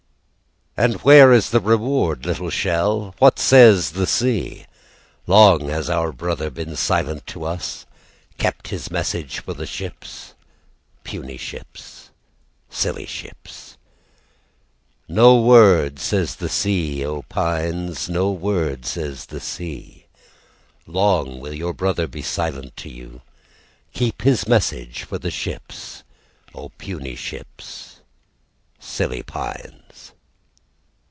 "And where is the reward, little shell? "What says the sea? "Long has our brother been silent to us, "Kept his message for the ships, "Puny ships, silly ships." "No word says the sea, O Pines, "No word says the sea. "Long will your brother be silent to you, "Keep his message for the ships, "O puny ships, silly pines."